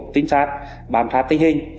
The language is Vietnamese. tinh sát bám sát tinh hình